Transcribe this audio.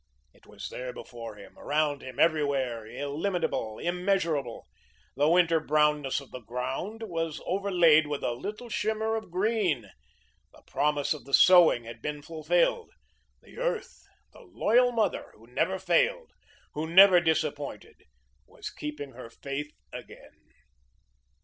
It was there before him, around him, everywhere, illimitable, immeasurable. The winter brownness of the ground was overlaid with a little shimmer of green. The promise of the sowing was being fulfilled. The earth, the loyal mother, who never failed, who never disappointed, was keeping her faith again.